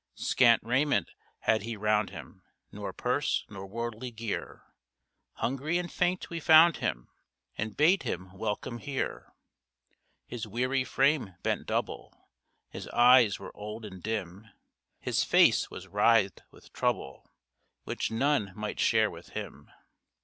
Scant raiment had he round him, Nor purse, nor worldly gear, Hungry and faint we found him, And bade him welcome here. His weary frame bent double, His eyes were old and dim, His face was writhed with trouble Which none might share with him.